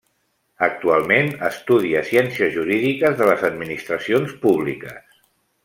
Actualment estudia Ciències Jurídiques de les Administracions Públiques.